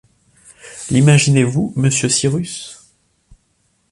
L’imaginez-vous, monsieur Cyrus ?